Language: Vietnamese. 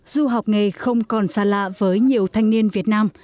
du học nghề không còn xa lạ với nhiều thanh niên việt nam